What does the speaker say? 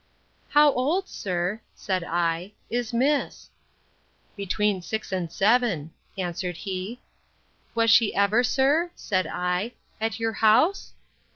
How old, sir, said I, is miss? Between six and seven, answered he. Was she ever, sir, said I, at your house?